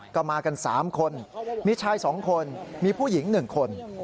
ก็มากัน๓คนมีชาย๒คนมีผู้หญิง๑คน